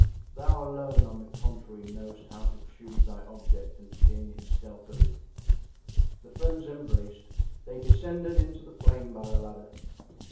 "Thou alone, on the contrary, knowest how to choose thy object and to gain it stealthily." The friends embraced. They descended into the plain by the ladder.